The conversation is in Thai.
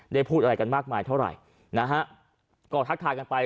พูดอะไรกันมากมายเท่าไหร่นะฮะก็ทักทายกันไป